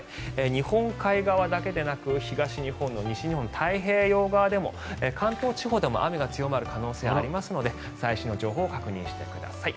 日本海側だけでなく西日本、東日本の太平洋側でも関東地方でも雨が強まる可能性がありますので最新の情報を確認してください。